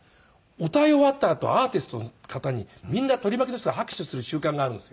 歌い終わったあとアーティストの方にみんな取り巻きの人が拍手する習慣があるんですよ。